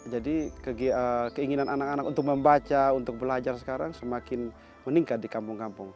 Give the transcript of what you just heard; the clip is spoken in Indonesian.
jadi keinginan anak anak untuk membaca untuk belajar sekarang semakin meningkat di kampung kampung